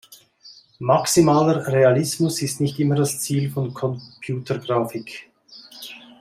Maximaler Realismus ist nicht immer das Ziel von Computergrafik.